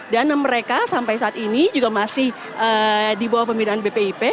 dan mereka sampai saat ini juga masih di bawah pemindahan bpip